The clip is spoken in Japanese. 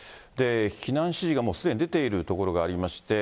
避難指示がもうすでに出ている所がありまして。